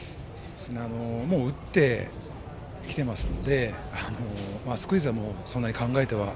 もう打ってきていますのでスクイズはそんなに考えては。